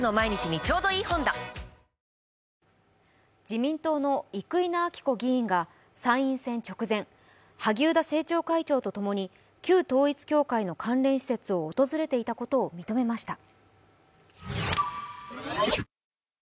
自民党の生稲晃子議員が参院選直前萩生田政調会長とともに旧統一教会関連の施設を訪れていたことを認めました。